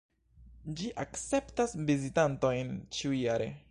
Ĝi akceptas vizitantojn ĉiujare.